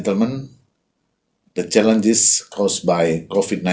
tantangan yang diperlukan oleh covid sembilan belas